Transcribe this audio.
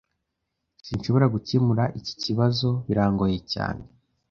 Sinshobora gukemura iki kibazo. Birangoye cyane.